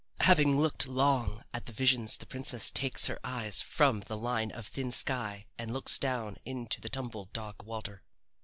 Having looked long at the visions the princess takes her eyes from the line of thin sky and looks down into the tumbled dark water.